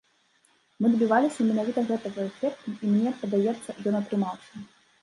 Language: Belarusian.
Мы дабіваліся менавіта гэтага эфекту, і, мне падаецца, ён атрымаўся.